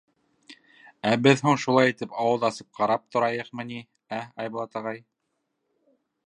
— Ә беҙ һуң шулай итеп ауыҙ асып ҡарап торайыҡмы ни, ә, Айбулат ағай?